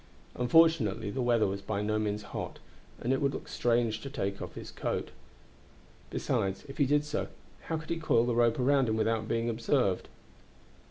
Unfortunately the weather was by no means hot, and it would look strange to take off his coat, besides, if he did so, how could he coil the rope round him without being observed?